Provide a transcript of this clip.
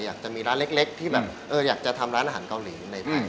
อยากจะมีร้านเล็กที่แบบอยากจะทำร้านอาหารเกาหลีในไทย